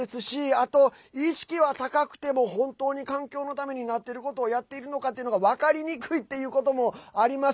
あと意識は高くても本当に環境のためになっていることをやっているのかっていうのが分かりにくいこともあります。